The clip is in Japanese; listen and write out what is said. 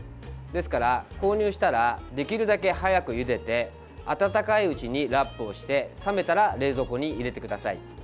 ですから、購入したらできるだけ早くゆでて温かいうちにラップをして冷めたら冷蔵庫に入れてください。